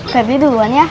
febri duluan ya